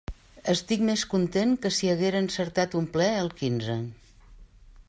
Estic més content que si haguera encertat un ple al quinze.